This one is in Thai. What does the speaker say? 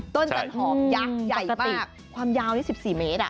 จันหอมยักษ์ใหญ่มากความยาวนี่๑๔เมตร